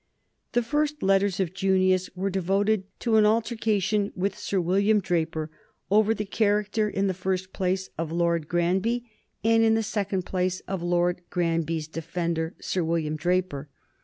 The first few letters of Junius were devoted to an altercation with Sir William Draper over the character in the first place of Lord Granby and in the second place of Lord Granby's defender, Sir William Draper.